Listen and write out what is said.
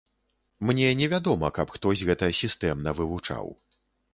Мне невядома, каб хтось гэта сістэмна вывучаў.